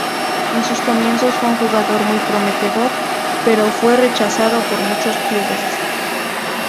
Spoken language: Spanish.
En sus comienzos fue un jugador muy prometedor, pero fue rechazado por muchos clubes.